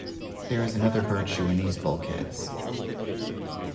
There is another virtue in these bulkheads.